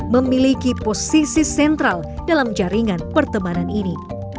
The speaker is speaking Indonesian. memiliki posisi sentral dalam jaringan pertemanan ini